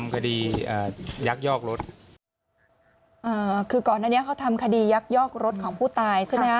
คือก่อนนั้นเนี่ยเขาทำคดียักยอกรถของผู้ตายใช่ไหมนะ